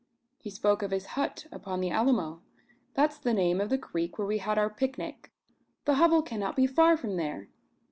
He spoke of his hut upon the Alamo. That's the name of the creek where we had our pic nic. The hovel cannot be far from there!